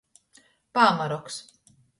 Pāmaroks.